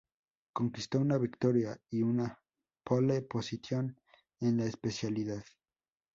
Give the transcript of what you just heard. Conquistó una victoria y una "pole position" en la especialidad.